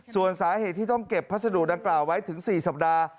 ส่วนสาเหตุที่ต้องเก็บพัสดุดังกล่าวไว้ถึง๔สัปดาห์